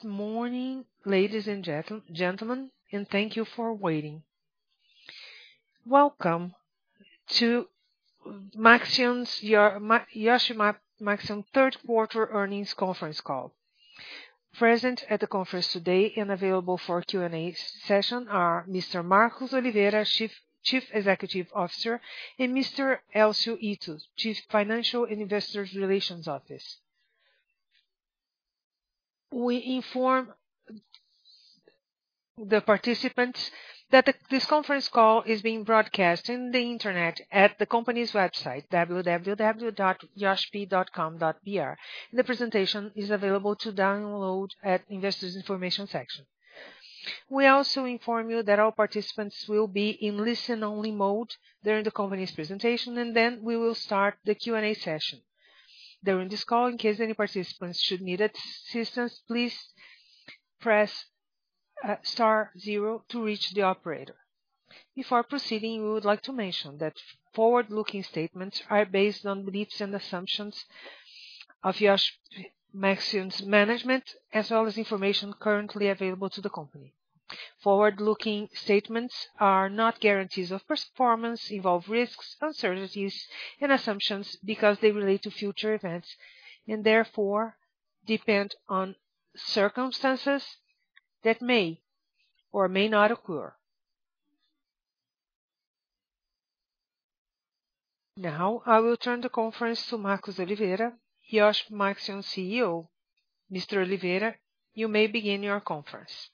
Good morning, ladies and gentlemen, and thank you for waiting. Welcome to Iochpe-Maxion's third earnings conference call. Present at the conference today and available for Q&A session are Mr. Marcos Oliveira, Chief Executive Officer, and Mr. Elcio Ito, Chief Financial and Investors Relations Officer. We inform the participants that this conference call is being broadcast on the internet at the company's website, www.iochpe.com.br. The presentation is available to download at Investors Information section. We also inform you that all participants will be in listen-only mode during the company's presentation, and then we will start the Q&A session. During this call, in case any participants should need assistance, please press star zero to reach the operator. Before proceeding, we would like to mention that forward-looking statements are based on beliefs and assumptions of Iochpe-Maxion's management, as well as information currently available to the company. Forward-looking statements are not guarantees of performance, involve risks, uncertainties, and assumptions because they relate to future events and therefore depend on circumstances that may or may not occur. Now, I will turn the conference over to Marcos Oliveira, Iochpe-Maxion CEO. Mr. Oliveira, you may begin your conference.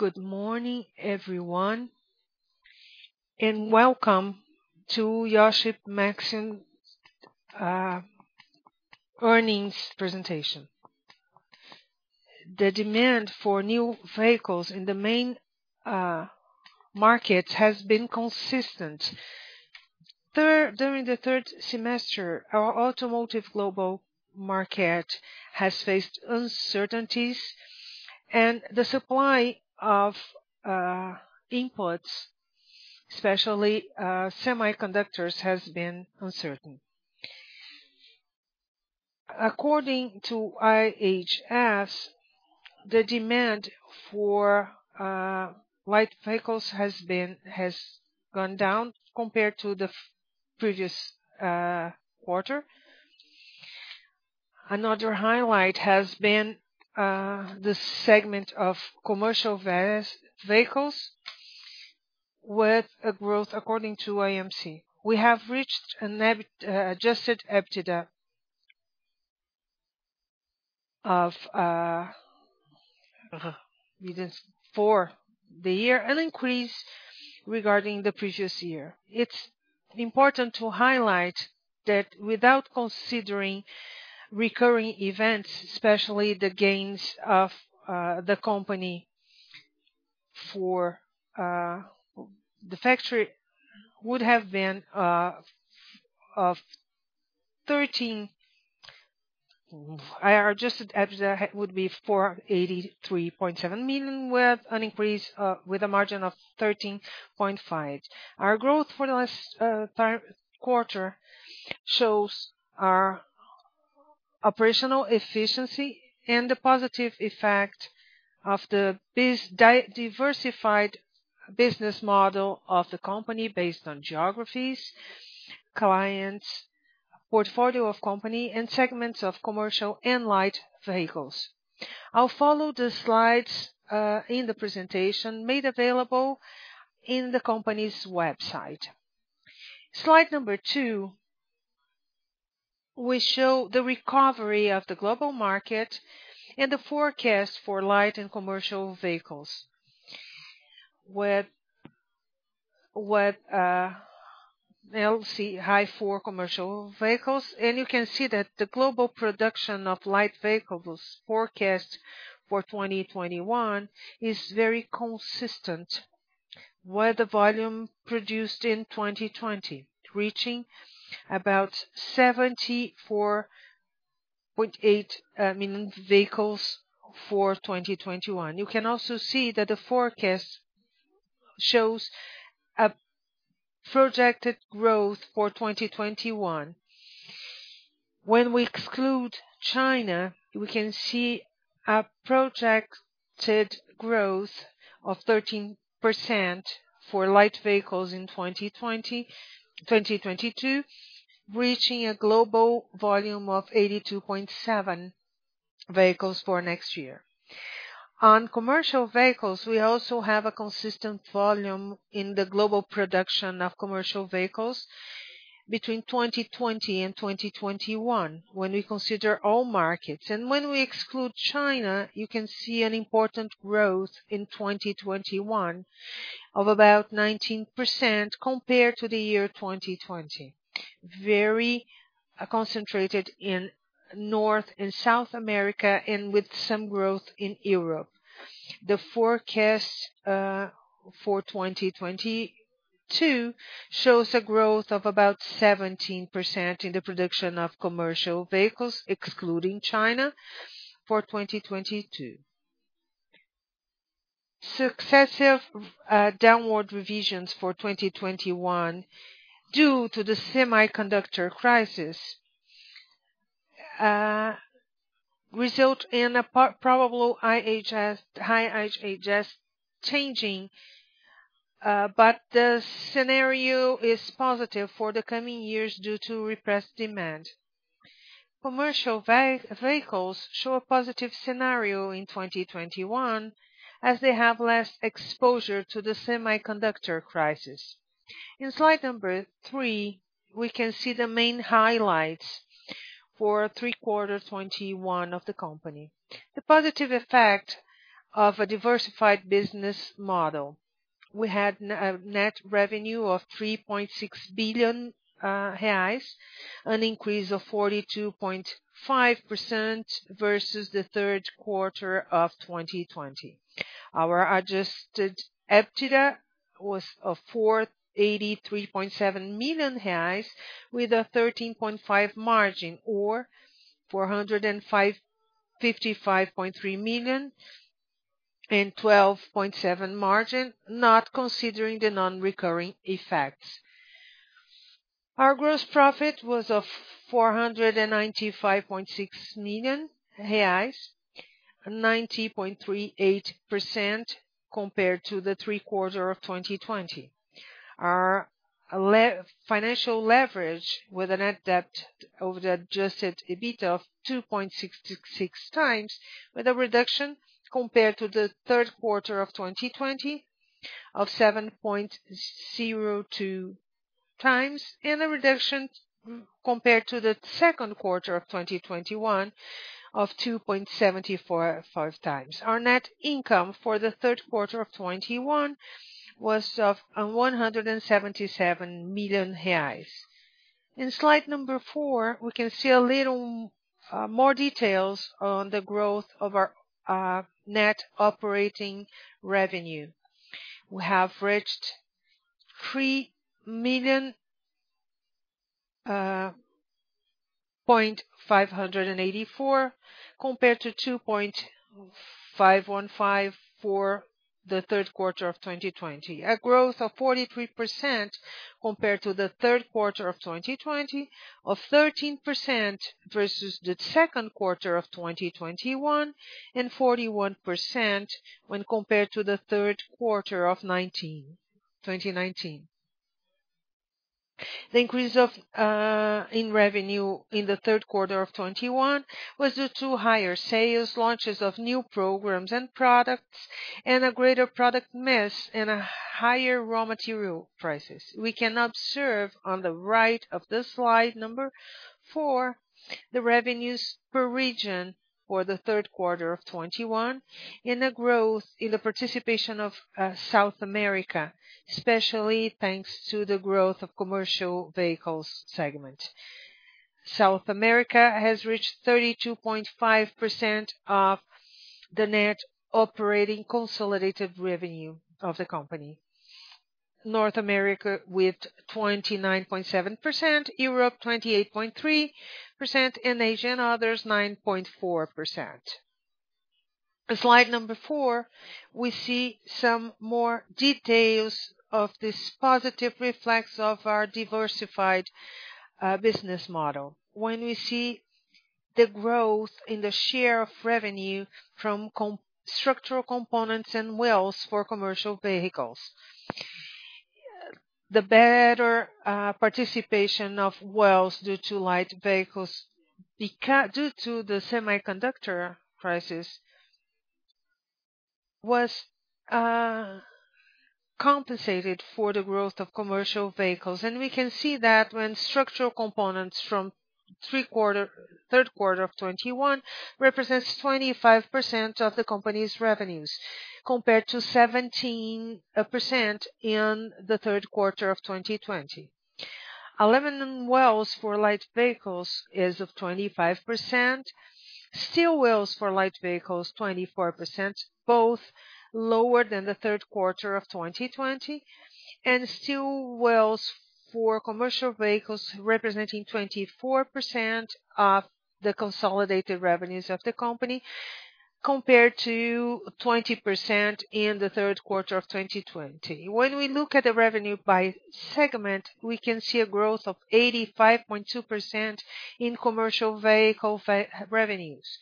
Good morning, everyone, and welcome to Iochpe-Maxion earnings presentation. The demand for new vehicles in the main markets has been consistent. During the Q3, our automotive global market has faced uncertainties and the supply of inputs, especially semiconductors, has been uncertain. According to IHS, the demand for light vehicles has gone down compared to the previous quarter. Another highlight has been the segment of commercial vehicles with a growth according to LMC. We have reached an adjusted EBITDA of this for the, an increase regarding the previous year. It's important to highlight that without considering recurring events, especially the gains of the company for the factory would have been of 13. Our adjusted EBITDA would be 483.7 million, with an increase with a margin of 13.5%. Our growth for the last quarter shows our operational efficiency and the positive effect of the diversified business model of the company based on geographies, clients, portfolio of company, and segments of commercial and light vehicles. I'll follow the slides in the presentation made available in the company's website. Slide number two, we show the recovery of the global market and the forecast for light and commercial vehicles. LMC high for commercial vehicles. You can see that the global production of light vehicles forecast for 2021 is very consistent with the volume produced in 2020, reaching about 74.8 million vehicles for 2021. You can also see that the forecast shows a projected growth for 2021. When we exclude China, we can see a projected growth of 13% for light vehicles in 2022, reaching a global volume of 82.7 vehicles for next year. On commercial vehicles, we also have a consistent volume in the global production of commercial vehicles between 2020 and 2021 when we consider all markets. When we exclude China, you can see an important growth in 2021 of about 19% compared to the year 2020. Very concentrated in North and South America and with some growth in Europe. The forecast for 2022 shows a growth of about 17% in the production of commercial vehicles, excluding China for 2022. Successive downward revisions for 2021 due to the semiconductor crisis result in a probable IHS high IHS changing, but the scenario is positive for the coming years due to repressed demand. Commercial vehicles show a positive scenario in 2021, as they have less exposure to the semiconductor crisis. In slide number three, we can see the main highlights for Q3 2021 of the company. The positive effect of a diversified business model. We had net revenue of 3.6 billion reais, an increase of 42.5% versus the Q3 of 2020. Our adjusted EBITDA was of 483.7 million reais, with a 13.5% margin, or 455.3 million and 12.7% margin, not considering the non-recurring effects. Our gross profit was of 495.6 million reais, 90.38% compared to the Q3 of 2020. Our financial leverage with a net debt to the adjusted EBITDA of 2.66x, with a reduction compared to the Q3 of 2020 of 7.02x, and a reduction compared to the Q2 of 2021 of 2.75x. Our net income for the Q3 of 2021 was of 177 million reais. In slide 4, we can see a little more details on the growth of our net operating revenue. We have reached 3.584 million compared to 2.515 million for the Q3 of 2020. A growth of 43% compared to the Q3 of 2020, of 13% versus the Q2 of 2021, and 41% when compared to the Q3 of 2019. The increase of, in revenue in the Q3of 2021 was due to higher sales, launches of new programs and products, and a greater product mix and a higher raw material prices. We can observe on the right of the slide number 4, the revenues per region for the Q3 of 2021 and a growth in the participation of, South America, especially thanks to the growth of commercial vehicles segment. South America has reached 32.5% of the net operating consolidated revenue of the company. North America with 29.7%, Europe 28.3%, and Asia and others 9.4%. In slide number 4, we see some more details of this positive effect of our diversified business model. When we see the growth in the share of revenue from structural components and wheels for commercial vehicles. The lower participation of wheels for light vehicles due to the semiconductor crisis was compensated by the growth of commercial vehicles. We can see that when structural components from the Q3 of 2021 represents 25% of the company's revenues, compared to 17% in the Q3 of 2020. Aluminum wheels for light vehicles is of 25%. Steel wheels for light vehicles, 24%, both lower than the Q3 of 2020. Steel wheels for commercial vehicles representing 24% of the consolidated revenues of the company, compared to 20% in the Q3 of 2020. When we look at the revenue by segment, we can see a growth of 85.2% in commercial vehicle revenues.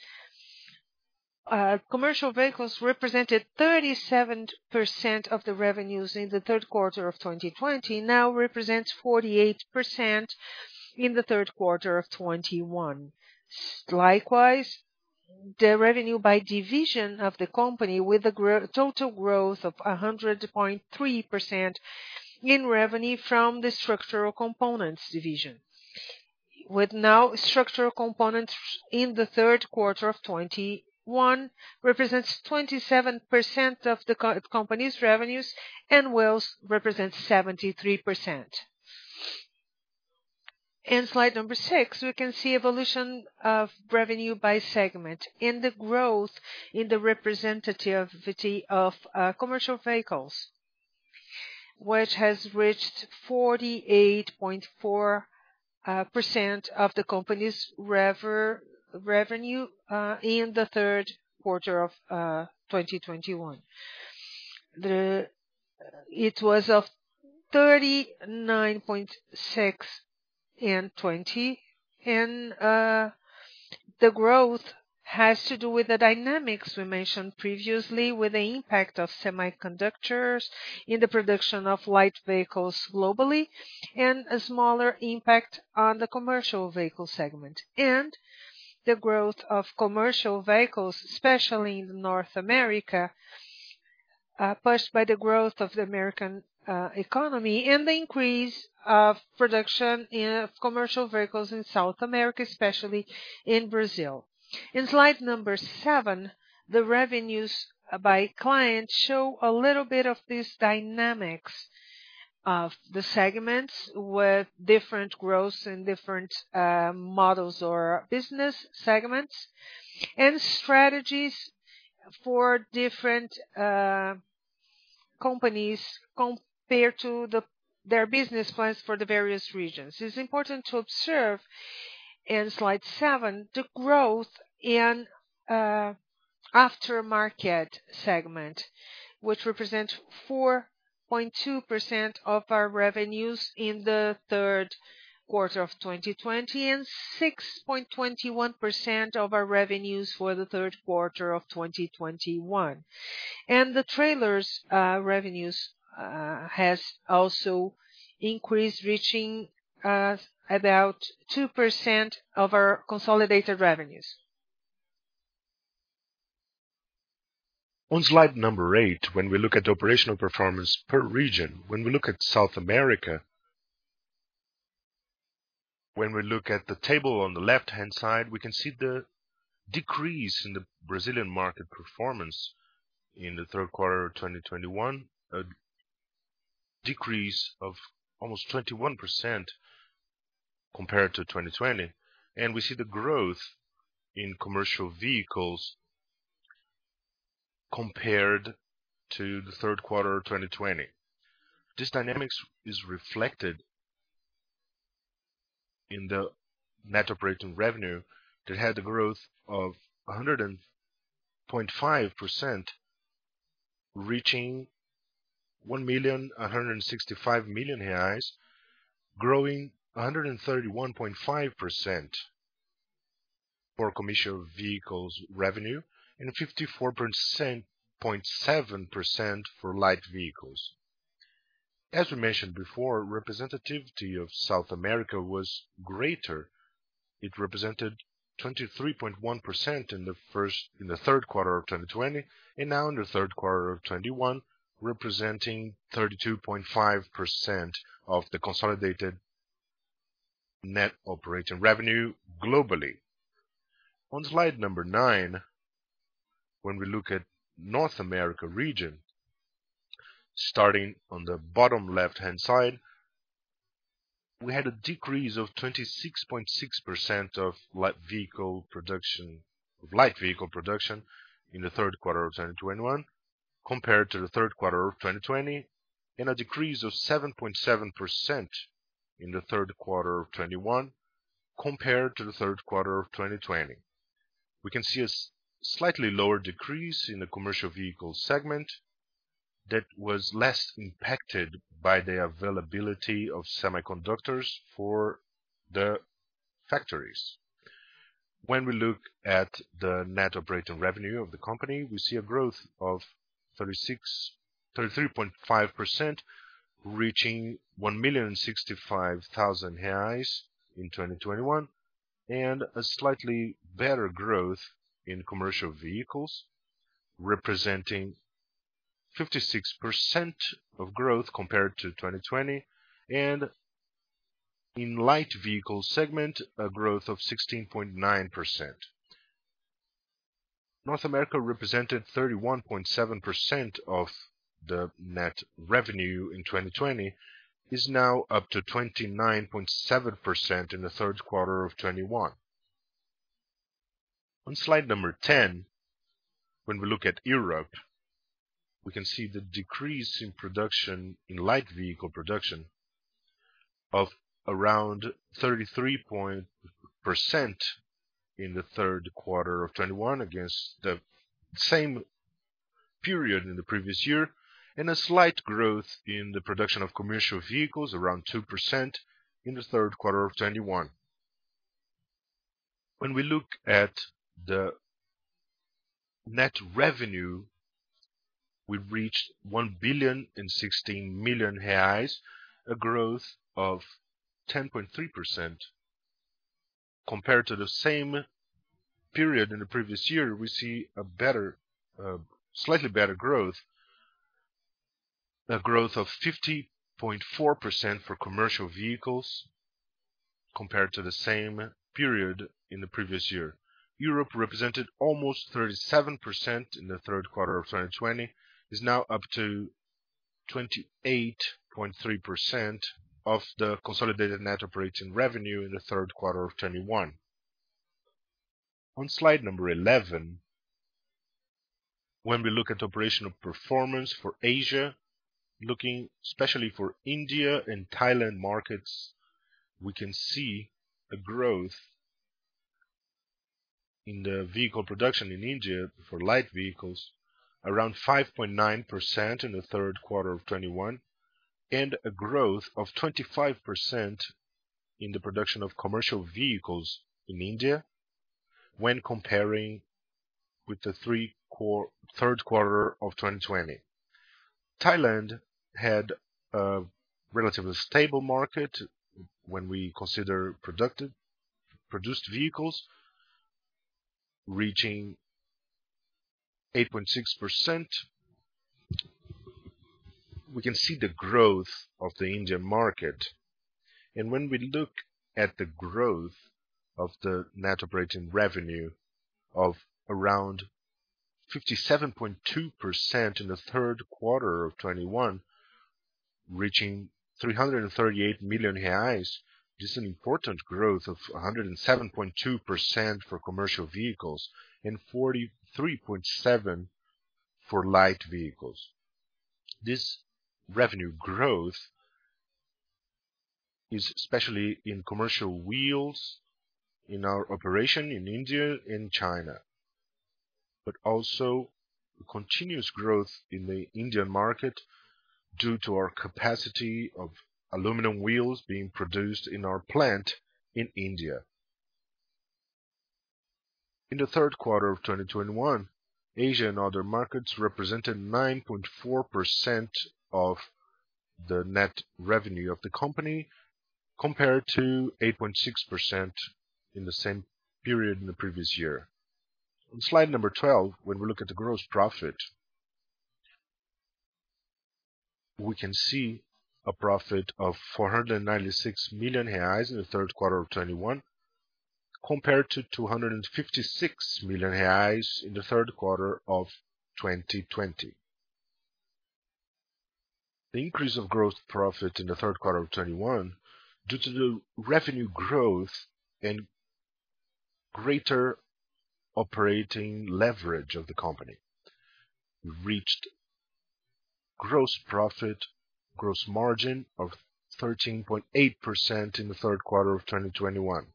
Commercial vehicles represented 37% of the revenues in the Q3 of 2020, now represents 48% in the Q3 of 2021. Likewise, the revenue by division of the company with a total growth of 100.3% in revenue from the Structural Components division. Structural Components in the Q3 of 2021 now represents 27% of the company's revenues, and Wheels represents 73%. In slide number 6, we can see evolution of revenue by segment and the growth in the representativity of commercial vehicles. Which has reached 48.4% of the company's revenue in the Q3 of 2021. It was 39.6% in 2020. The growth has to do with the dynamics we mentioned previously, with the impact of semiconductors in the production of light vehicles globally, and a smaller impact on the commercial vehicle segment. The growth of commercial vehicles, especially in North America, pushed by the growth of the American economy and the increase of production in commercial vehicles in South America, especially in Brazil. In slide 7, the revenues by client show a little bit of these dynamics of the segments with different growths and different models or business segments, and strategies for different companies compared to their business plans for the various regions. It's important to observe in slide 7, the growth in aftermarket segment, which represents 4.2% of our revenues in the Q3 of 2020, and 6.21% of our revenues for the Q3 of 2021. The trailers revenues has also increased, reaching about 2% of our consolidated revenues. On slide 8, when we look at the operational performance per region, when we look at South America, when we look at the table on the left-hand side, we can see the decrease in the Brazilian market performance in the Q3 of 2021, a decrease of almost 21% compared to 2020. We see the growth in commercial vehicles compared to the Q3 of 2020. This dynamics is reflected in the net operating revenue that had the growth of 100.5%, reaching BRL 1,165 million, growing 131.5% for commercial vehicles revenue and 54.7% for light vehicles. As we mentioned before, representativity of South America was greater. It represented 23.1% in the Q3 of 2020, and now in the Q3 of 2021, representing 32.5% of the consolidated net operating revenue globally. On slide number 9, when we look at North America region, starting on the bottom left-hand side, we had a decrease of 26.6% of light vehicle production in the Q3 of 2021 compared to the Q3 of 2020, and a decrease of 7.7% in the Q3 of 2021 compared to the Q3 of 2020. We can see a slightly lower decrease in the commercial vehicle segment that was less impacted by the availability of semiconductors for the factories. When we look at the net operating revenue of the company, we see a growth of 33.5%, reaching 1,065,000 reais in 2021, and a slightly better growth in commercial vehicles, representing 56% of growth compared to 2020, and in light vehicle segment, a growth of 16.9%. North America represented 31.7% of the net revenue in 2020, is now up to 29.7% in the Q3 of 2021. On slide number 10, when we look at Europe, we can see the decrease in light vehicle production of around 33% in the Q3 of 2021 against the same period in the previous year, and a slight growth in the production of commercial vehicles, around 2% in the Q3 of 2021. When we look at the net revenue, we've reached 1.016 billion, a growth of 10.3%. Compared to the same period in the previous year, we see a better, slightly better growth. A growth of 50.4% for commercial vehicles compared to the same period in the previous year. Europe represented almost 37% in the Q3 of 2020. It's now up to 28.3% of the consolidated net operating revenue in the Q3 of 2021. On slide 11, when we look at operational performance for Asia, looking especially for India and Thailand markets, we can see a growth in the vehicle production in India for light vehicles around 5.9% in the Q3 of 2021 and a growth of 25% in the production of commercial vehicles in India when comparing with the Q3 of 2020. Thailand had a relatively stable market when we consider produced vehicles reaching 8.6%. We can see the growth of the India market. When we look at the growth of the net operating revenue of around 57.2% in the Q3 of 2021, reaching 338 million reais, this is an important growth of 107.2% for commercial vehicles and 43.7% for light vehicles. This revenue growth is especially in commercial wheels in our operation in India and China, but also continuous growth in the India market due to our capacity of aluminum wheels being produced in our plant in India. In the Q3 of 2021, Asia and other markets represented 9.4% of the net revenue of the company, compared to 8.6% in the same period in the previous year. On slide 12, when we look at the gross profit, we can see a profit of 496 million reais in the Q3 of 2021 compared to 256 million reais in the Q3 of 2020. The increase of gross profit in the Q3 of 2021, due to the revenue growth and greater operating leverage of the company, reached gross profit, gross margin of 13.8% in the Q3 of 2021.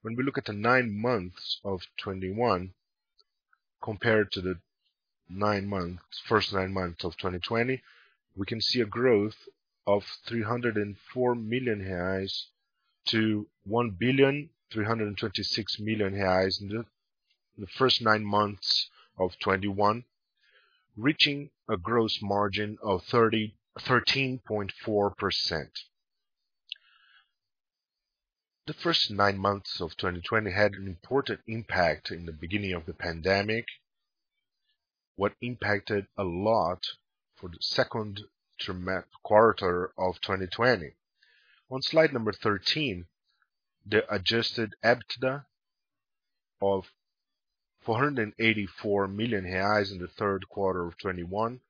When we look at the nine months of 2021 compared to the first nine months of 2020, we can see a growth of 304 million reais to 1.326 billion in the first nine months of 2021, reaching a gross margin of 13.4%. The first 9 months of 2020 had an important impact in the beginning of the pandemic, which impacted a lot for the Q2 of 2020. On slide 13, the adjusted EBITDA of 484 million reais in the Q3 of 2021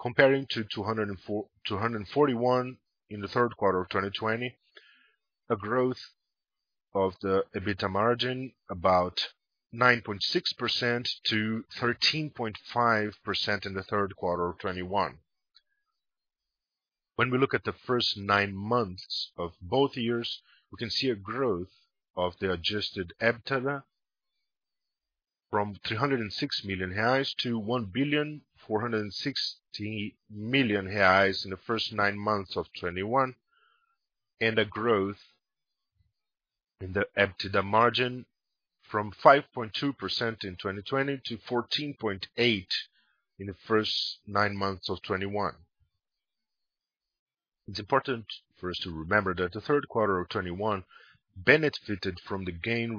compared to 241 million in the Q3 of 2020. A growth of the EBITDA margin about 9.6% to 13.5% in the Q3 of 2021. When we look at the first nine months of both years, we can see a growth of the adjusted EBITDA from BRL 306 million to BRL 1.46 billion in the first nine months of 2021, and a growth in the EBITDA margin from 5.2% in 2020 to 14.8% in the first nine months of 2021. It's important for us to remember that the Q3 of 2021 benefited from the gain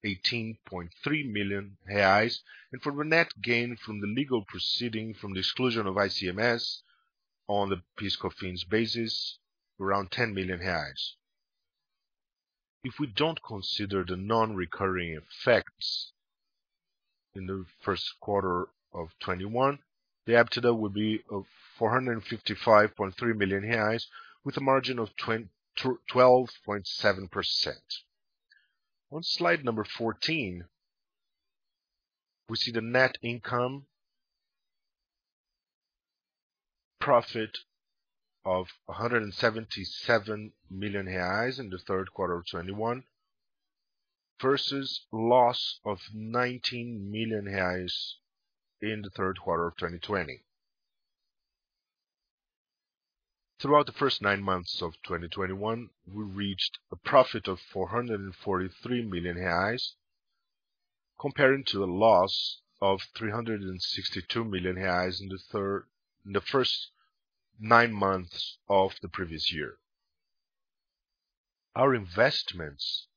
related to the sale of the Akron plant in the United States for around BRL 18.3 million and from a net gain from the legal proceeding from the exclusion of ICMS on the PIS/COFINS basis around 10 million reais. If we don't consider the non-recurring effects in the Q1 of 2021, the EBITDA would be 455.3 million reais with a margin of 12.7%. On slide number 14, we see the net income profit of 177 million reais in the Q3 of 2021 versus loss of 19 million reais in the Q2 of 2020. Throughout the first nine months of 2021, we reached a profit of 443 million reais comparing to the loss of 362 million reais in the first nine months of the previous year. Our investments,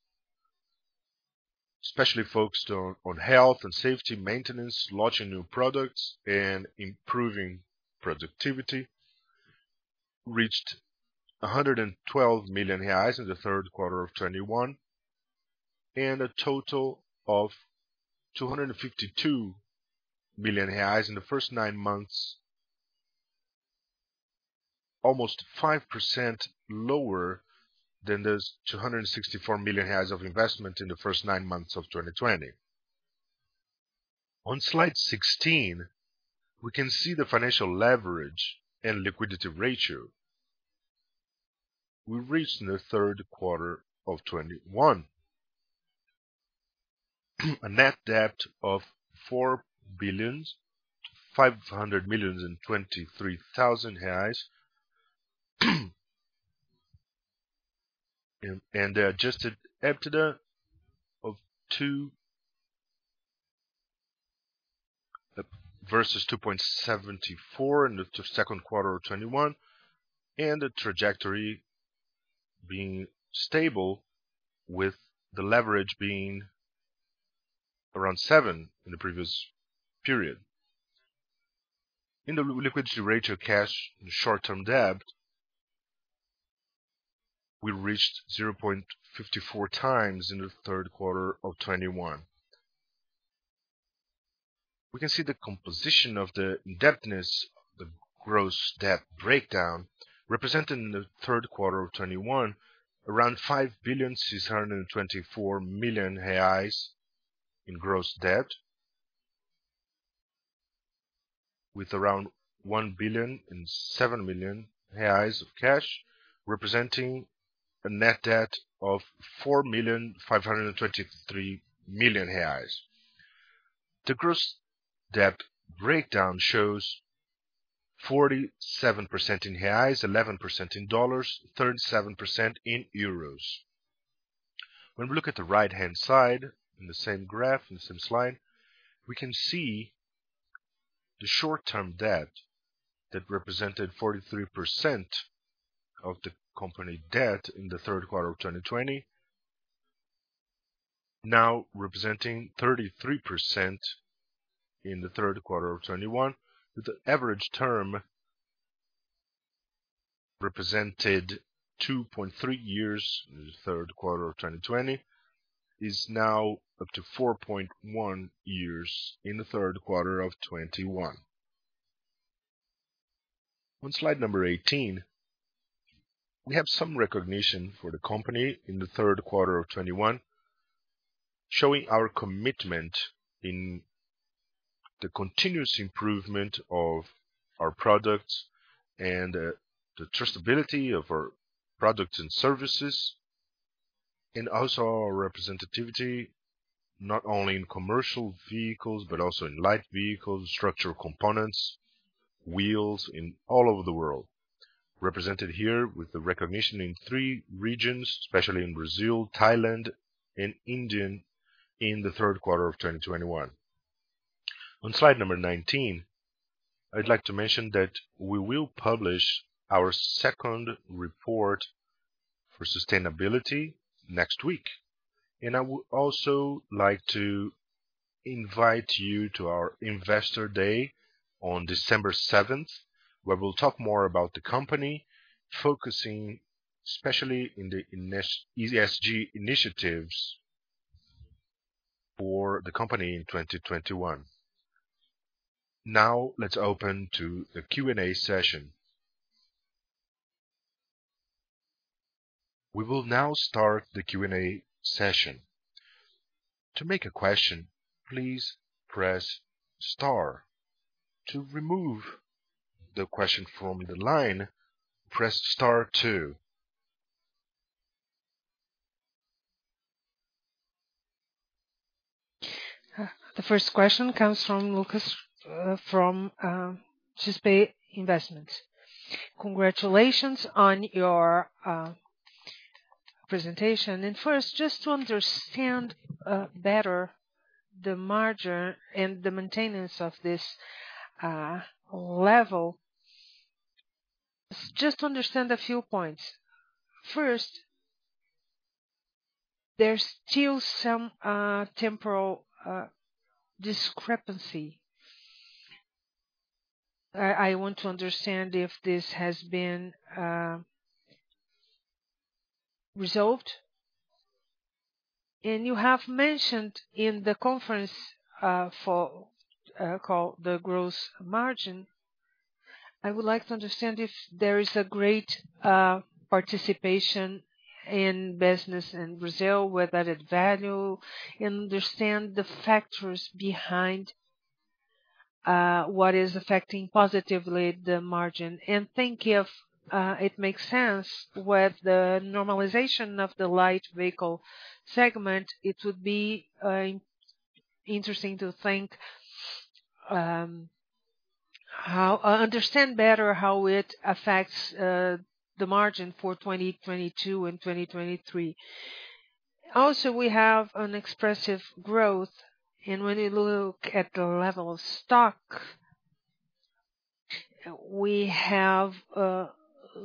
especially focused on health and safety, maintenance, launching new products, and improving productivity, reached 112 million reais in the Q3 of 2021. A total of 252 million reais in the first nine months, almost 5% lower than those 264 million of investment in the first nine months of 2020. On slide 16, we can see the financial leverage and liquidity ratio we reached in the Q3 of 2021. A net debt of 4 billion, 500 million, and 23,000. The adjusted EBITDA of 2 versus 2.74 in the Q2 of 2021, and the trajectory being stable with the leverage being around 7 in the previous period. In the liquidity ratio cash and short-term debt, we reached 0.54 times in the Q3 of 2021. We can see the composition of the indebtedness, the gross debt breakdown represented in the Q3 of 2021 around 5.624 billion in gross debt. With around 1.007 billion of cash, representing a net debt of 4.523 billion reais. The gross debt breakdown shows 47% in reais, 11% in dollars, 37% in euros. When we look at the right-hand side in the same graph, in the same slide, we can see the short-term debt that represented 43% of the company debt in the Q3 of 2020. Now representing 33% in the Q3 of 2021, with the average term represented two.three years in the Q3 of 2020, is now up to four point one years in the Q3 of 2021. On slide 18, we have some recognition for the company in the Q3 of 2021, showing our commitment in the continuous improvement of our products and the trustability of our products and services. Also, our representativity, not only in commercial vehicles but also in light vehicles, structural components, wheels and all over the world. Represented here with the recognition in three regions, especially in Brazil, Thailand and India, in the Q3 of 2021. On slide 19, I'd like to mention that we will publish our second report for sustainability next week. I would also like to invite you to our investor day on December seventh, where we'll talk more about the company focusing especially in the ESG initiatives for the company in 2021. Now let's open to the Q&A session. We will now start the Q&A session. To make a question, please press star. To remove the question from the line, press star two. The first question comes from Lucas from XP Investimentos. Congratulations on your presentation. First, just to understand better the margin and the maintenance of this level. Just to understand a few points. First, there's still some temporal discrepancy. I want to understand if this has been resolved. You have mentioned in the conference call the gross margin. I would like to understand if there is a greater participation in business in Brazil with added value and understand the factors behind what is affecting positively the margin. Think if it makes sense with the normalization of the light vehicle segment. It would be interesting to understand better how it affects the margin for 2022 and 2023. Also, we have an expressive growth. When you look at the level of stock, we have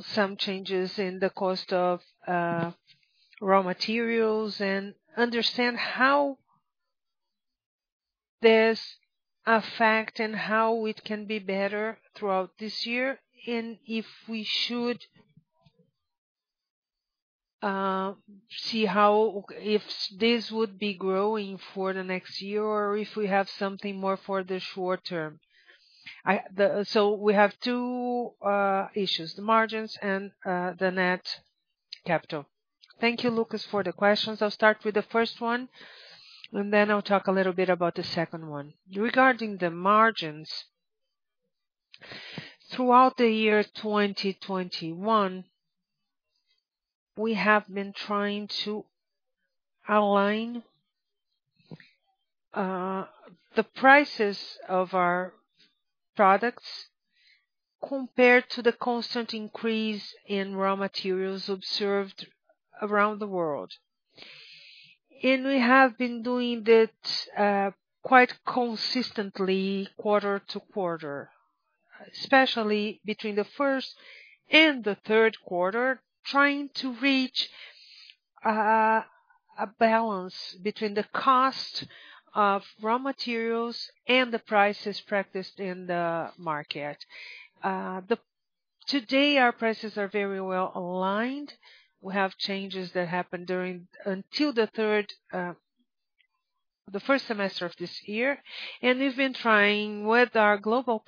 some changes in the cost of raw materials and understand how it can be better throughout this year, and if this would be growing for the next year or if we have something more for the short term. We have 2 issues: the margins and the net capital. Thank you, Lucas, for the questions. I'll start with the first one, and then I'll talk a little bit about the second one. Regarding the margins, throughout the year 2021, we have been trying to align the prices of our products compared to the constant increase in raw materials observed around the world. We have been doing that quite consistently quarter-to-quarter. Especially between the first and the Q3, trying to reach a balance between the cost of raw materials and the prices practiced in the market. Today, our prices are very well aligned. We have changes that happened until the third, the first semester of this year. We've been trying with our global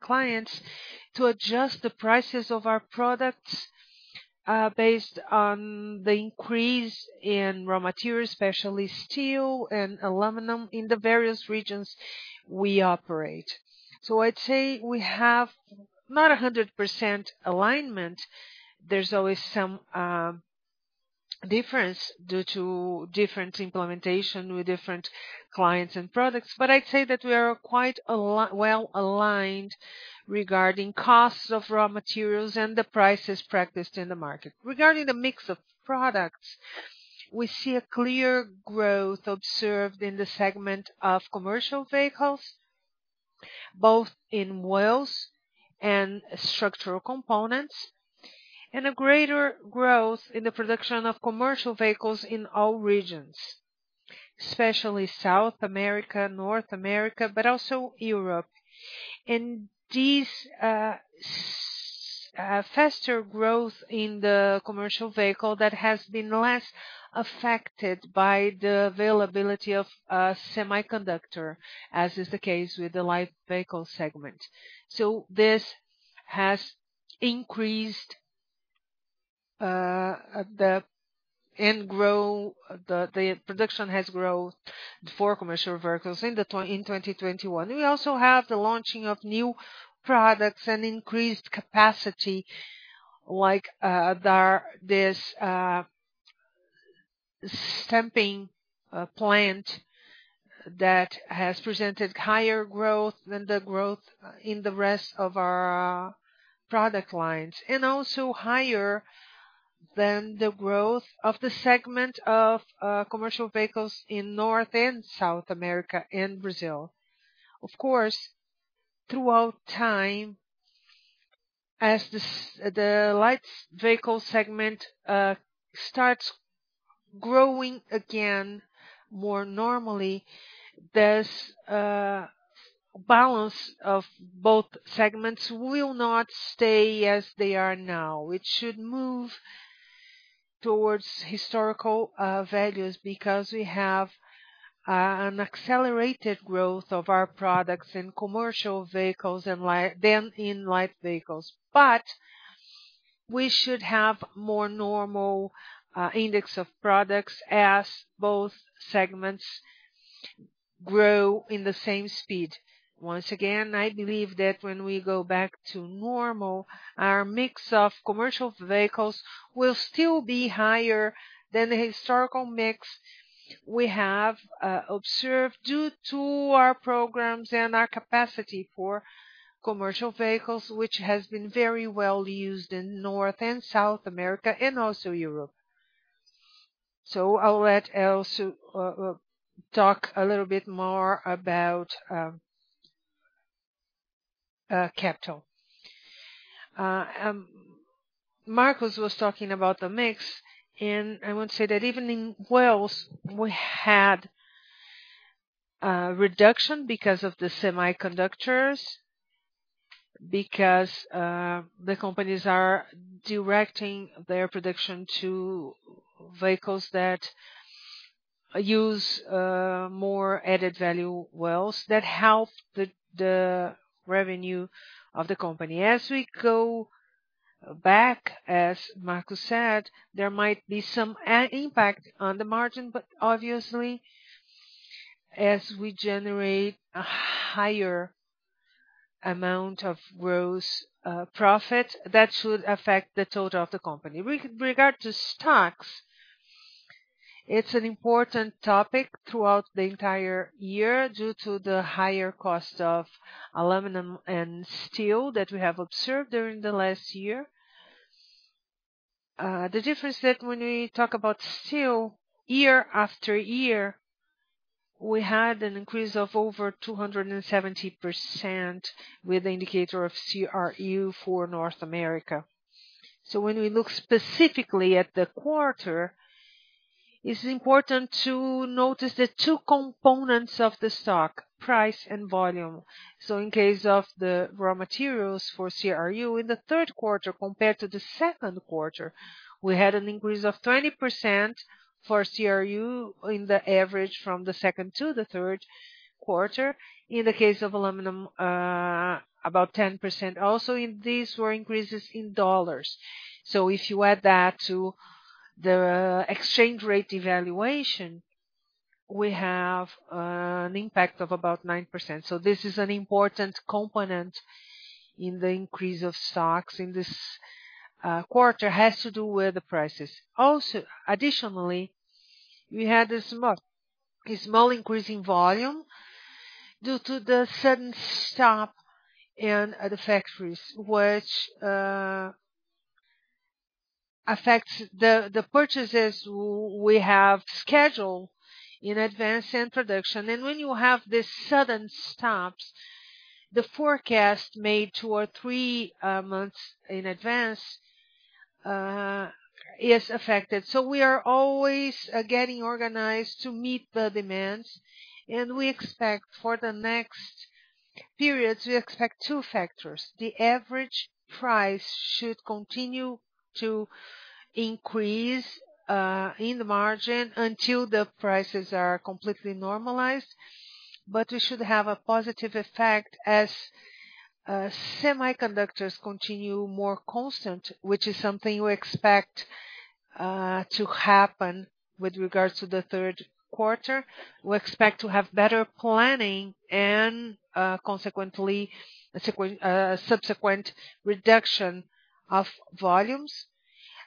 clients to adjust the prices of our products based on the increase in raw materials, especially steel and aluminum in the various regions we operate. I'd say we have not 100% alignment. There's always some difference due to different implementation with different clients and products. I'd say that we are quite well aligned regarding costs of raw materials and the prices practiced in the market. Regarding the mix of products, we see a clear growth observed in the segment of commercial vehicles, both in Wheels and Structural Components, and a greater growth in the production of commercial vehicles in all regions, especially South America, North America, but also Europe. This faster growth in the commercial vehicles that has been less affected by the availability of semiconductors, as is the case with the light vehicle segment. This has increased. The production has grown for commercial vehicles in 2021. We also have the launching of new products and increased capacity like this stamping plant that has presented higher growth than the growth in the rest of our product lines. Also, higher than the growth of the segment of commercial vehicles in North and South America and Brazil. Of course, throughout time, as the light vehicle segment starts growing again more normally, this balance of both segments will not stay as they are now. It should move towards historical values because we have an accelerated growth of our products in commercial vehicles and then in light vehicles. But we should have more normal index of products as both segments grow in the same speed. Once again, I believe that when we go back to normal, our mix of commercial vehicles will still be higher than the historical mix we have observed due to our programs and our capacity for commercial vehicles, which has been very well used in North and South America and also Europe. I'll let Elcio talk a little bit more about capital. Marcos was talking about the mix, and I would say that even in wheels we had reduction because of the semiconductors. Because the companies are directing their production to vehicles that use more added value wheels that help the revenue of the company. As we go back, as Marcos said, there might be some impact on the margin, but obviously, as we generate a higher amount of gross profit, that should affect the total of the company. With regard to stocks, it's an important topic throughout the entire year due to the higher cost of aluminum and steel that we have observed during the last year. The difference that when we talk about steel year-after-year, we had an increase of over 270% with the indicator of CRU for North America. When we look specifically at the quarter, it is important to notice the two components of the stock, price and volume. In case of the raw materials for CRU in the Q3 compared to the Q2, we had an increase of 20% for CRU in the average from the second to the Q3 In the case of aluminum, about 10%. Also, these were increases in dollars. If you add that to the exchange rate evaluation, we have an impact of about 9%. This is an important component in the increase of stocks in this quarter. It has to do with the prices. Additionally, we had a small increase in volume due to the sudden stop at the factories, which affects the purchases we have scheduled in advance and production. When you have these sudden stops, the forecast made two or three months in advance is affected. We are always getting organized to meet the demand. We expect for the next periods two factors. The average price should continue to increase in the margin until the prices are completely normalized. We should have a positive effect as semiconductors continue more constant, which is something we expect to happen with regards to the Q3. We expect to have better planning and consequently a subsequent reduction of volumes.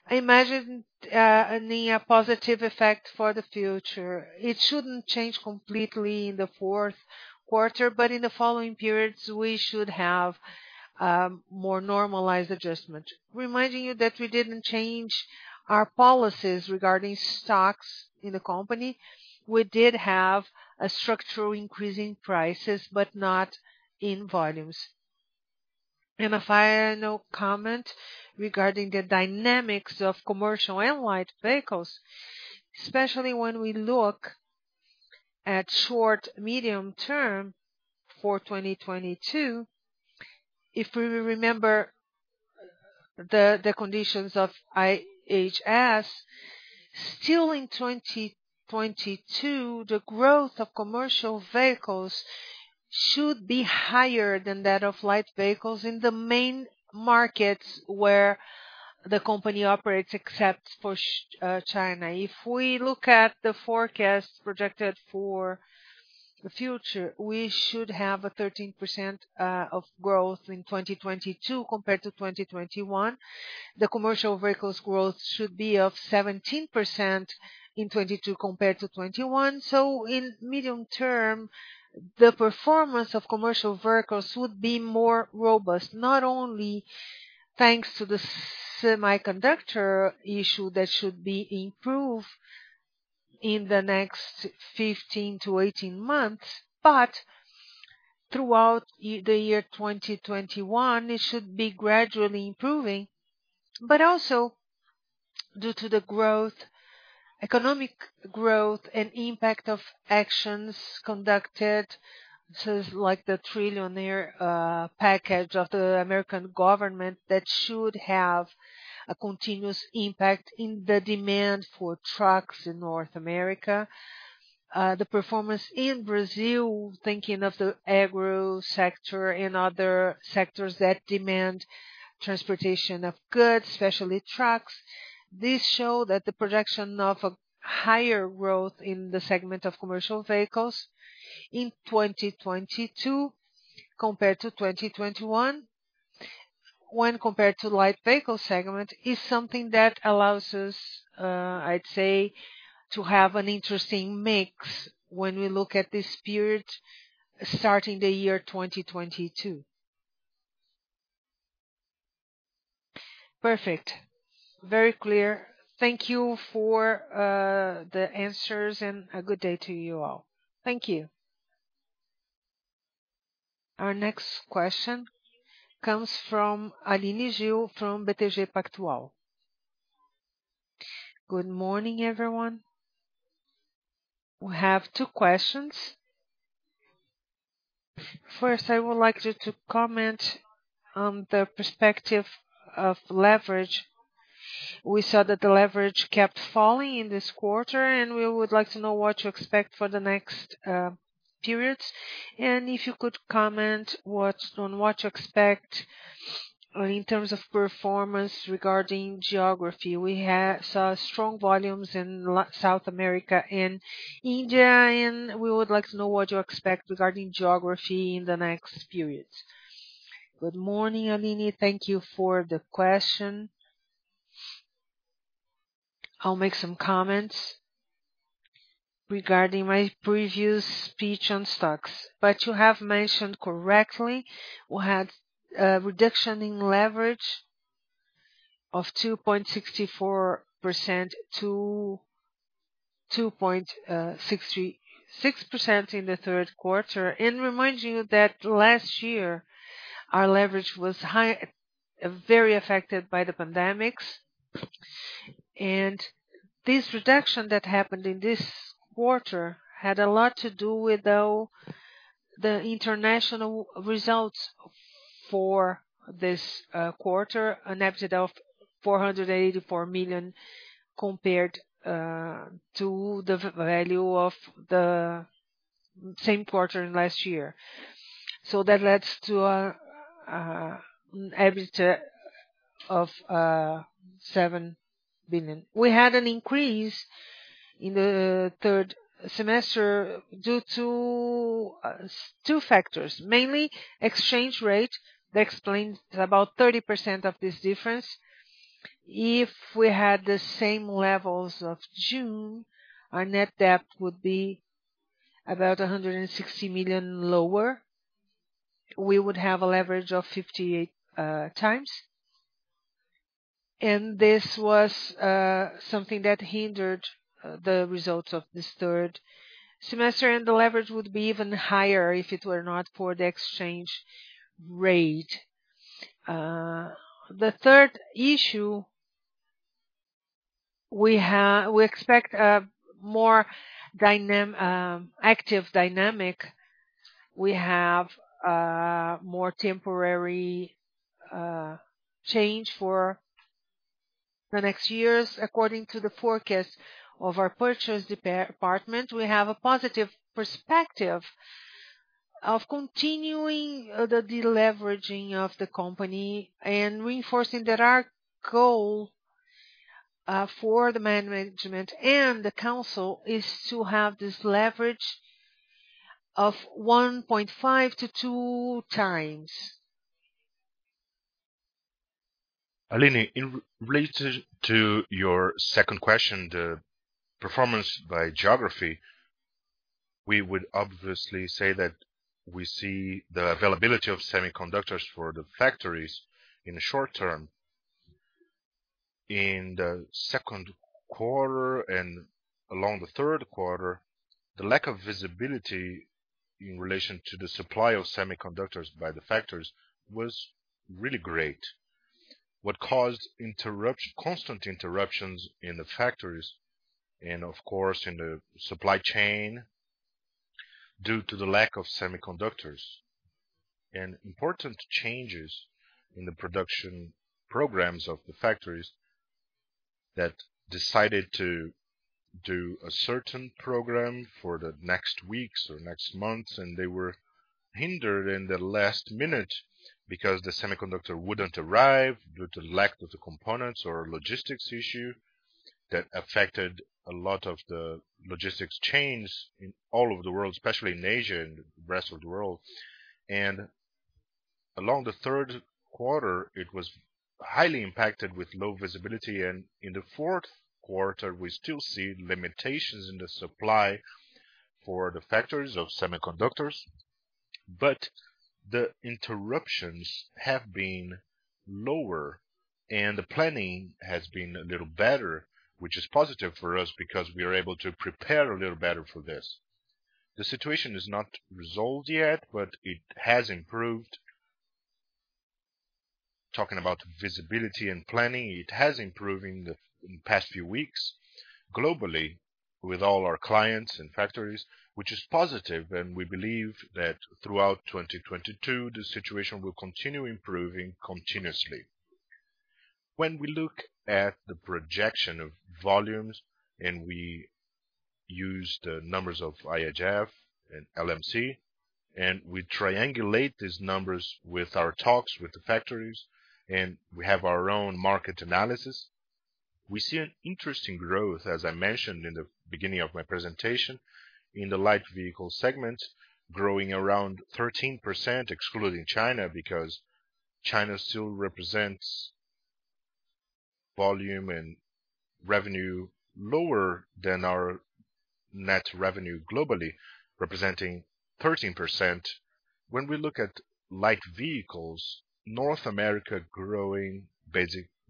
I imagine a positive effect for the future. It shouldn't change completely in the Q4, but in the following periods, we should have more normalized adjustment. Reminding you that we didn't change our policies regarding stocks in the company. We did have a structural increase in prices, but not in volumes. A final comment regarding the dynamics of commercial and light vehicles, especially when we look at short, medium term for 2022. If we remember the conditions of IHS, still in 2022, the growth of commercial vehicles should be higher than that of light vehicles in the main markets where the company operates, except for China. If we look at the forecast projected for the future, we should have a 13% of growth in 2022 compared to 2021. The commercial vehicles growth should be of 17% in 2022 compared to 2021. In medium term, the performance of commercial vehicles would be more robust, not only thanks to the semiconductor issue that should be improved in the next 15-18 months, but throughout the year 2021, it should be gradually improving. Also, due to the economic growth and impact of actions conducted, so it's like the trillion-dollar package of the American government that should have a continuous impact in the demand for trucks in North America. The performance in Brazil, thinking of the agro sector and other sectors that demand transportation of goods, especially trucks. These show that the projection of a higher growth in the segment of commercial vehicles in 2022 compared to 2021, when compared to light vehicle segment, is something that allows us, I'd say, to have an interesting mix when we look at this period starting the year 2022. Perfect. Very clear. Thank you for the answers, and a good day to you all. Thank you. Our next question comes from Aina Guimarães from BTG Pactual. Good morning, everyone. We have two questions. First, I would like you to comment on the perspective of leverage. We saw that the leverage kept falling in this quarter, and we would like to know what to expect for the next periods. If you could comment on what to expect in terms of performance regarding geography. We saw strong volumes in South America and India, and we would like to know what to expect regarding geography in the next periods. Good morning, Ainá. Thank you for the question. I'll make some comments regarding my previous speech on stocks. You have mentioned correctly, we had a reduction in leverage of 2.64% to 2.66% in the Q3. Remind you that last year our leverage was very affected by the pandemics. This reduction that happened in this quarter had a lot to do with the international results for this quarter, an EBITDA of 484 million compared to the value of the same quarter last year. That leads to an EBITDA of 7 billion. We had an increase in the Q3 due to two factors, mainly exchange rate that explains about 30% of this difference. If we had the same levels of June, our net debt would be about 160 million lower. We would have a leverage of 0.58x. This was something that hindered the results of this Q3, and the leverage would be even higher if it were not for the exchange rate. The third issue we expect a more active dynamic. We have more temporary change for the next years according to the forecast of our purchase department. We have a positive perspective of continuing the deleveraging of the company and reinforcing that our goal for the management and the council is to have this leverage of 1.5-2x. Ainá, in relation to your second question, the performance by geography, we would obviously say that we see the availability of semiconductors for the factories in the short term. In the Q2 and along the Q3, the lack of visibility in relation to the supply of semiconductors by the factories was really great, what caused constant interruptions in the factories and of course in the supply chain due to the lack of semiconductors. Important changes in the production programs of the factories that decided to do a certain program for the next weeks or next months, and they were hindered in the last minute because the semiconductor wouldn't arrive due to lack of the components or logistics issue that affected a lot of the logistics chains in all of the world, especially in Asia and the rest of the world. In the Q3, it was highly impacted with low visibility, and in theQ4 we still see limitations in the supply for the factories of semiconductors. The interruptions have been lower and the planning has been a little better, which is positive for us because we are able to prepare a little better for this. The situation is not resolved yet, but it has improved. Talking about visibility and planning, it has improved in the past few weeks globally with all our clients and factories, which is positive, and we believe that throughout 2022 the situation will continue improving continuously. When we look at the projection of volumes and we use the numbers of IHS and LMC, and we triangulate these numbers with our talks with the factories and we have our own market analysis, we see an interesting growth, as I mentioned in the beginning of my presentation, in the light vehicle segment growing around 13%, excluding China because China still represents volume and revenue lower than our net revenue globally, representing 13%. When we look at light vehicles, North America growing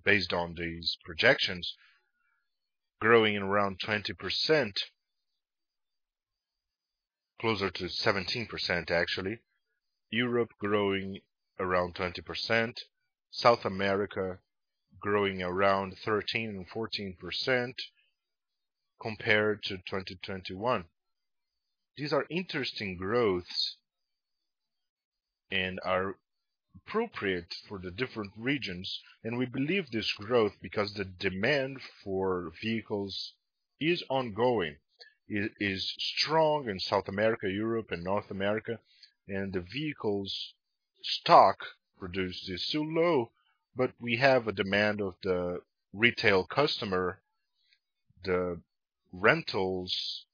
based on these projections, growing in around 20%, closer to 17% actually. Europe growing around 20%. South America growing around 13%-14% compared to 2021. These are interesting growths and are appropriate for the different regions, and we believe this growth because the demand for vehicles is ongoing. It is strong in South America, Europe and North America, and the vehicles stock produced is still low, but we have a demand of the retail customer. The rentals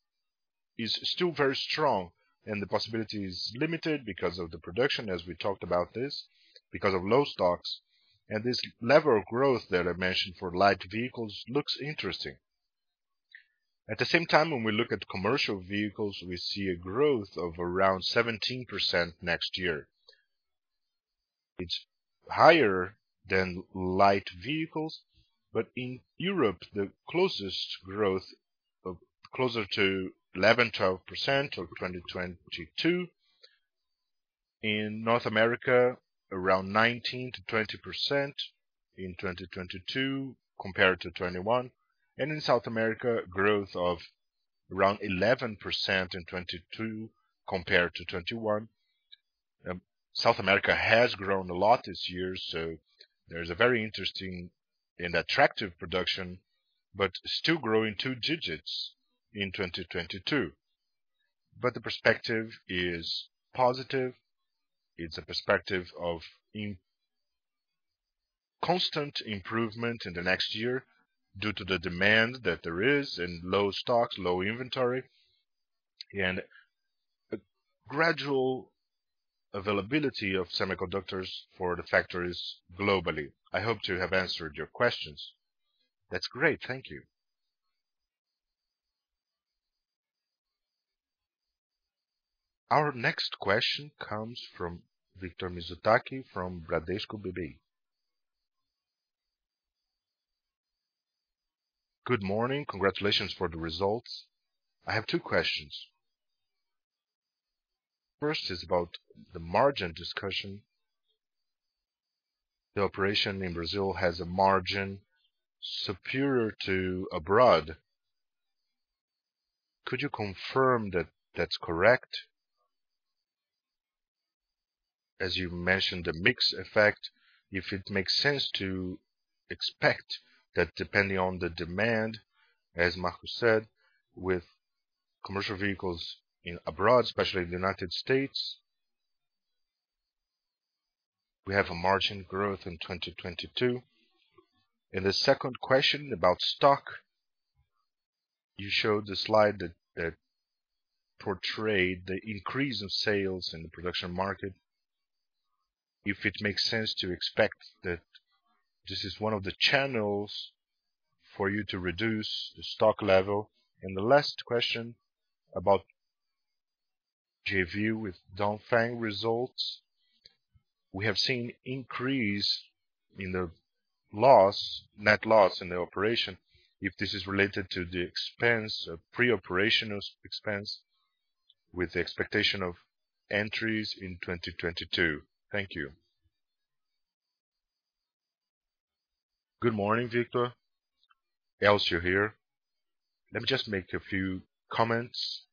is still very strong and the possibility is limited because of the production as we talked about this, because of low stocks. This level of growth that I mentioned for light vehicles looks interesting. At the same time, when we look at commercial vehicles, we see a growth of around 17% next year. It's higher than light vehicles. In Europe, closer to 11, 12% of 2022. In North America, around 19%-20% in 2022 compared to 2021. In South America, growth of around 11% in 2022 compared to 2021. South America has grown a lot this year, so there's a very interesting and attractive production, but still growing two digits in 2022. The perspective is positive. It's a perspective of constant improvement in the next year due to the demand that there is and low stocks, low inventory, and a gradual availability of semiconductors for the factories globally. I hope to have answered your questions. That's great. Thank you. Our next question comes from Victor Mizusaki from Bradesco BBI. Good morning. Congratulations for the results. I have two questions. First is about the margin discussion. The operation in Brazil has a margin superior to abroad. Could you confirm that that's correct? As you mentioned, the mix effect, if it makes sense to expect that depending on the demand, as Marcos said, with commercial vehicles abroad, especially in the United States, we have a margin growth in 2022. The second question about stock. You showed the slide that portrayed the increase in sales in the production market. If it makes sense to expect that this is one of the channels for you to reduce the stock level? The last question about JV with Dongfeng results. We have seen increase in the net loss in the operation. If this is related to the expense of pre-operational expense with the expectation of entries in 2022? Thank you. Good morning, Victor. Elcio here. Let me just make a few comments.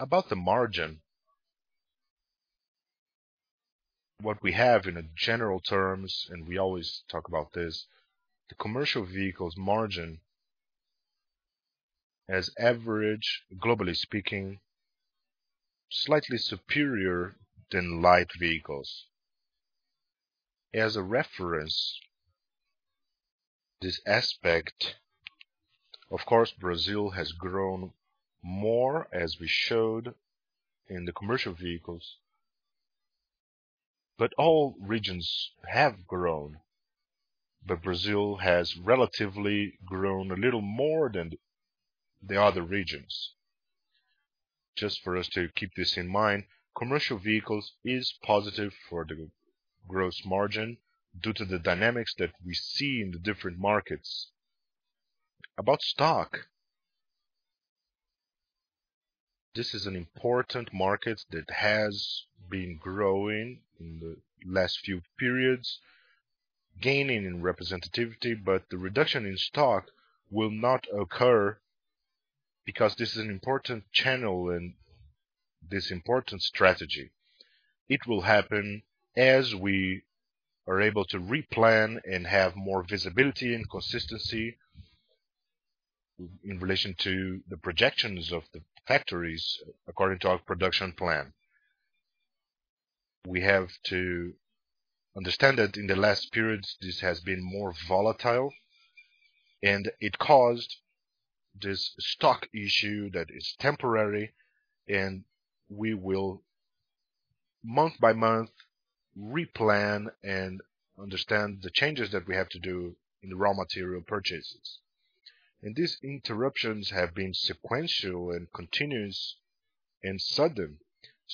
About the margin, what we have in general terms, and we always talk about this, the commercial vehicles margin has average, globally speaking, slightly superior than light vehicles. As a reference, this aspect, of course, Brazil has grown more as we showed in the commercial vehicles, but all regions have grown. Brazil has relatively grown a little more than the other regions. Just for us to keep this in mind, commercial vehicles is positive for the gross margin due to the dynamics that we see in the different markets. About stock, this is an important market that has been growing in the last few periods, gaining in representativity, but the reduction in stock will not occur because this is an important channel and this important strategy. It will happen as we are able to replan and have more visibility and consistency in relation to the projections of the factories according to our production plan. We have to understand that in the last periods, this has been more volatile, and it caused this stock issue that is temporary, and we will month by month replan and understand the changes that we have to do in the raw material purchases. These interruptions have been sequential and continuous and sudden.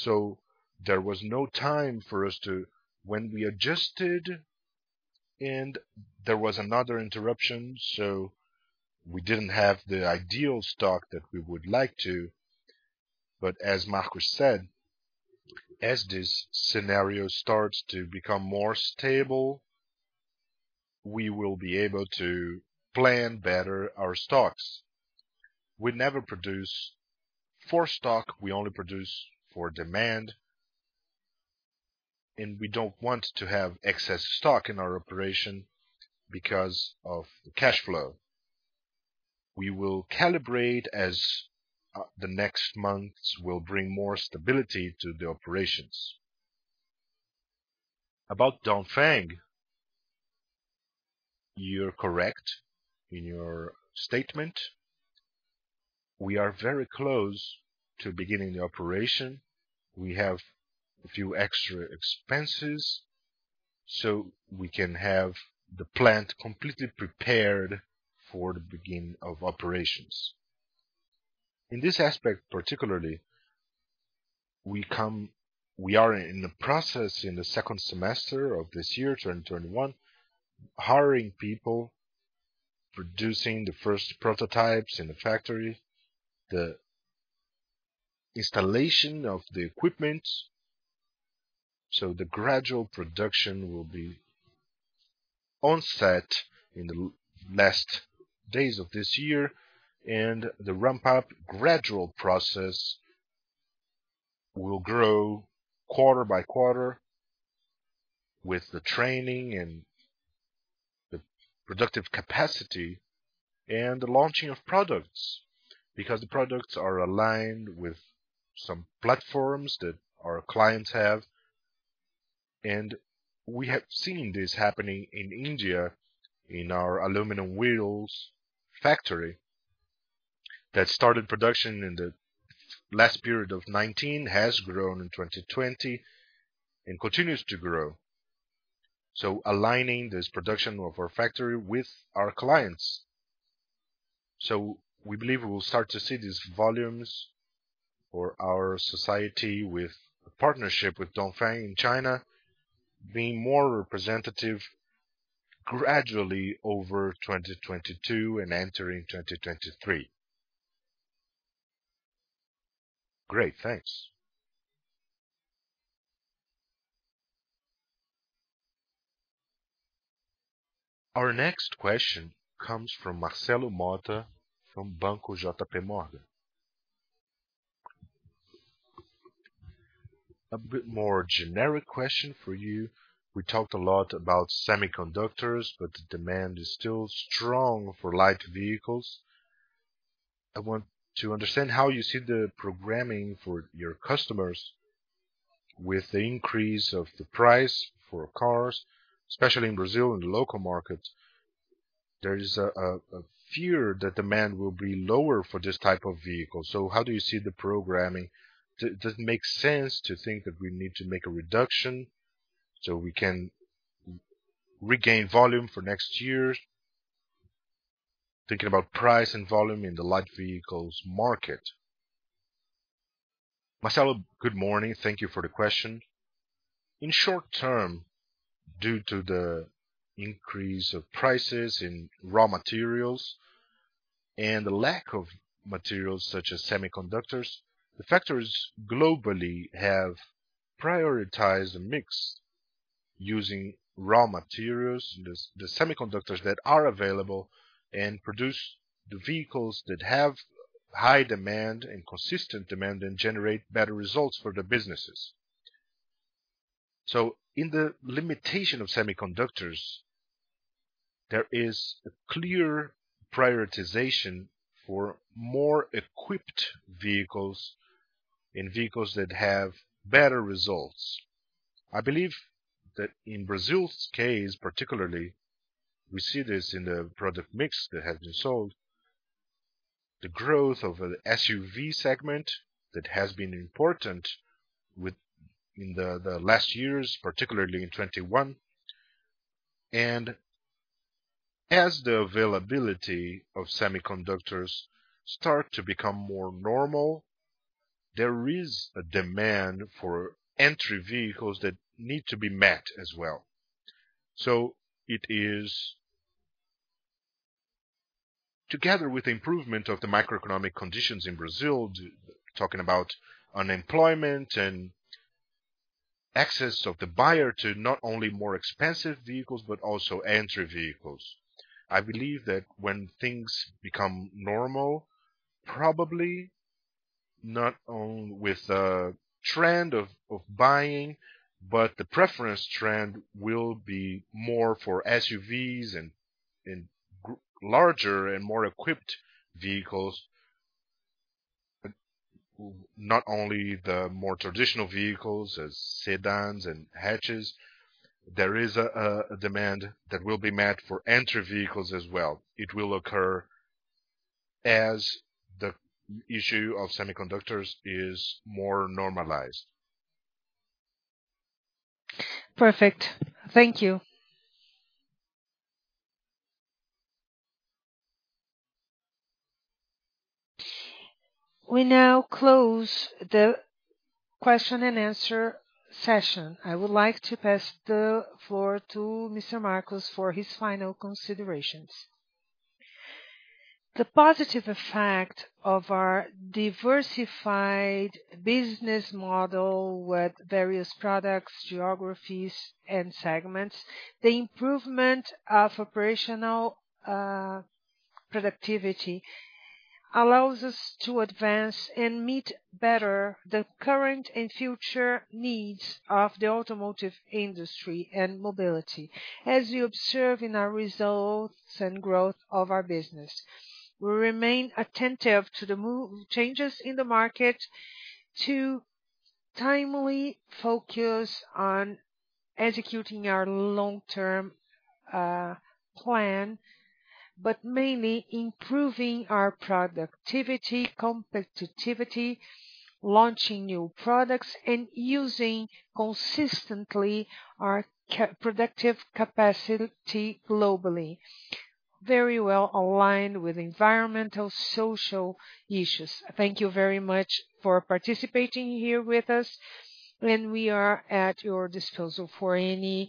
There was no time for us when we adjusted and there was another interruption, so we didn't have the ideal stock that we would like to. As Marcos said, as this scenario starts to become more stable, we will be able to plan better our stocks. We never produce for stock, we only produce for demand, and we don't want to have excess stock in our operation because of the cash flow. We will calibrate as the next months will bring more stability to the operations. About Dongfeng, you're correct in your statement. We are very close to beginning the operation. We have a few extra expenses so we can have the plant completely prepared for the beginning of operations. In this aspect, particularly, we are in the process in the second semester of this year, 2021, hiring people, producing the first prototypes in the factory, the installation of the equipment. The gradual production will be onset in the last days of this year, and the ramp-up gradual process will grow quarter by quarter with the training and the productive capacity and the launching of products. Because the products are aligned with some platforms that our clients have. We have seen this happening in India, in our aluminum wheels factory that started production in the last period of 2019, has grown in 2020 and continues to grow. Aligning this production of our factory with our clients. We believe we will start to see these volumes for our subsidiary with a partnership with Dongfeng in China being more representative gradually over 2022 and entering 2023. Great. Thanks. Our next question comes from Marcelo Mota from Banco J.P. Morgan. A bit more generic question for you. We talked a lot about semiconductors, but the demand is still strong for light vehicles. I want to understand how you see the programming for your customers with the increase of the price for cars, especially in Brazil, in the local market, there is a fear that demand will be lower for this type of vehicle. How do you see the programming? Does it make sense to think that we need to make a reduction so we can regain volume for next year? Thinking about price and volume in the light vehicles market. Marcelo, good morning. Thank you for the question. In short term, due to the increase of prices in raw materials and the lack of materials such as semiconductors, the factories globally have prioritized a mix using raw materials, the semiconductors that are available, and produce the vehicles that have high demand and consistent demand and generate better results for the businesses. In the limitation of semiconductors, there is a clear prioritization for more equipped vehicles and vehicles that have better results. I believe that in Brazil's case particularly, we see this in the product mix that has been sold, the growth of the SUV segment that has been important within the last years, particularly in 2021. As the availability of semiconductors start to become more normal, there is a demand for entry vehicles that need to be met as well. It is together with the improvement of the macroeconomic conditions in Brazil, talking about unemployment and access of the buyer to not only more expensive vehicles but also entry vehicles. I believe that when things become normal, probably not only with the trend of buying, but the preference trend will be more for SUVs and larger and more equipped vehicles, but not only the more traditional vehicles as sedans and hatches. There is a demand that will be met for entry vehicles as well. It will occur as the issue of semiconductors is more normalized. Perfect. Thank you. We now close the question and answer session. I would like to pass the floor to Mr. Marcos for his final considerations. The positive effect of our diversified business model with various products, geographies, and segments, the improvement of operational productivity allows us to advance and meet better the current and future needs of the automotive industry and mobility, as you observe in our results and growth of our business. We remain attentive to the changes in the market to timely focus on executing our long-term plan, but mainly improving our productivity, competitiveness, launching new products, and using consistently our productive capacity globally, very well aligned with environmental, social issues. Thank you very much for participating here with us, and we are at your disposal for any